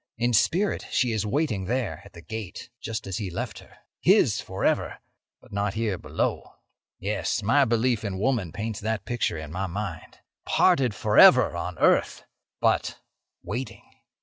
In spirit she is waiting there at the gate, just as he left her—his forever, but not here below. Yes; my belief in woman paints that picture in my mind. Parted forever on earth, but waiting!